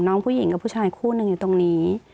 น้องผู้หญิงกับผู้ชายคู่หนึ่งอยู่ตรงนี้